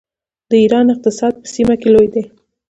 د ایران اقتصاد په سیمه کې لوی دی.